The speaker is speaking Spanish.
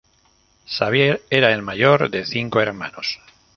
Xavier era el mayor de cinco hermanos.